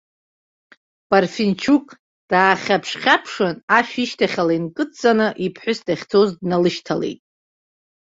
Парфинчук даахьаԥшаахьаԥшын, ашә ишьҭахьала инкыдҵаны, иԥҳәыс дахьцоз дналышьҭалеит.